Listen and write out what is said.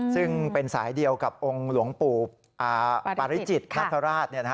ซึ่งเป็นสายเดียวกับองค์หลวงปู่ปาริจิตนคราช